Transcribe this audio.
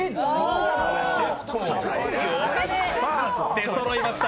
出そろいました。